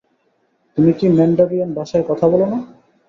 তুমি কি ম্যান্ডারিয়ান ভাষায় কথা বলো না?